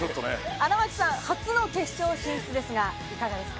荒牧さん、初の決勝進出ですが、いかがですか？